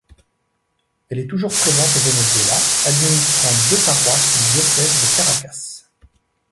Elle est toujours présente au Venezuela, administrant deux paroisses du diocèse de Caracas.